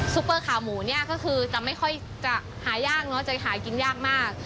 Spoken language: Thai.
เปอร์ขาหมูเนี่ยก็คือจะไม่ค่อยจะหายากเนอะจะหากินยากมาก